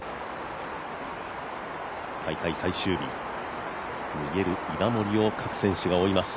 大会最終日、逃げる稲森を各選手が追います。